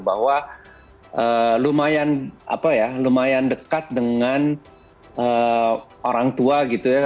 bahwa lumayan dekat dengan orang tua gitu ya